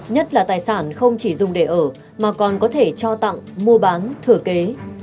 nhất là tài sản không chỉ dùng để ở mà còn có thể cho tặng mua bán thửa kế